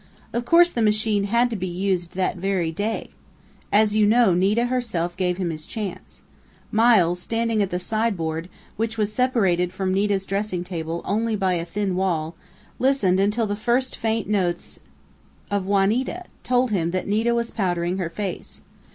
Of course the machine had to be used that very day. As you know Nita herself gave him his chance. Miles, standing at the sideboard, which was separated from Nita's dressing table only by a thin wall, listened until the first faint notes of Juanita told him that Nita was powdering her face.